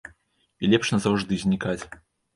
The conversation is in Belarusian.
І лепш назаўжды знікаць.